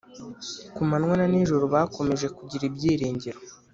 Ku manywa na nijoro bakomeje kugira ibyiringiro